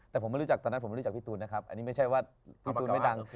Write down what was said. แต่ผมไม่รู้จักตอนนั้นผมไม่รู้จักพี่ตูนนะครับอันนี้ไม่ใช่ว่าพี่ตูนไม่ดัง